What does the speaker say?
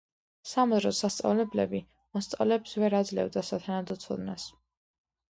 სამაზრო სასწავლებლები მოსწავლეებს ვერ აძლევდა სათანადო ცოდნას.